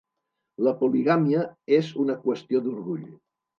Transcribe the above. La poligàmia és una qüestió d'orgull.